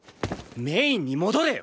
メインに戻れよ！